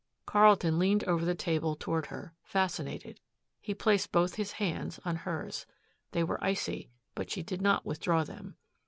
Carlton leaned over the table toward her, fascinated. He placed both his hands on hers. They were icy, but she did not withdraw them.